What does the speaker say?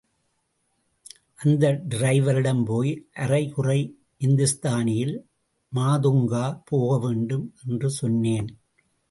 அந்த டிரைவரிடம் போய் அரைகுறை இந்துஸ்தானியில், மாதுங்கா போகவேண்டும் என்று சொன்னேன்.